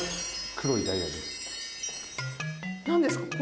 何ですか？